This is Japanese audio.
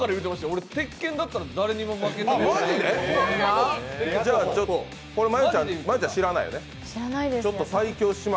俺、「鉄拳」だったら誰にも負けないって。